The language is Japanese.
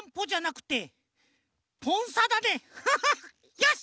よし！